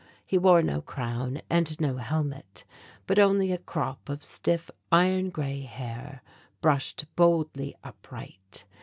He wore no crown and no helmet, but only a crop of stiff iron grey hair brushed boldly upright.